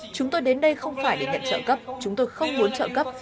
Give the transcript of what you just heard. chúng tôi đến đây không phải để nhận trợ cấp chúng tôi không muốn trợ cấp